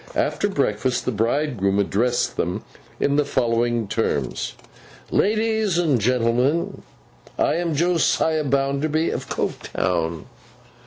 After breakfast, the bridegroom addressed them in the following terms: 'Ladies and gentlemen, I am Josiah Bounderby of Coketown.